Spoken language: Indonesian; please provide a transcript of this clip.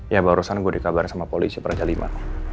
ya barusan gue dikabarin sama polisi peraca lima